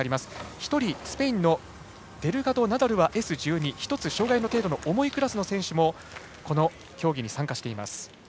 １人、スペインのデルガドナダルはＳ１２１つ障がいの程度が重いクラスの選手もこの競技に参加しています。